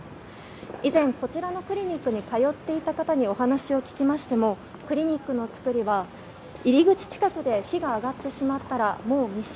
以前こちらのクリニックに通っていた方にお話を聞きましてもクリニックの作りは入り口近くで火が上がってしまったらもう密室。